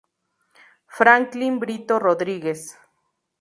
Franklin Brito Rodríguez.